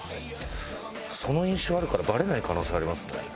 その印象あるからバレない可能性ありますね。